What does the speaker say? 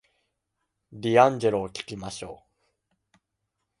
ディアンジェロを聞きましょう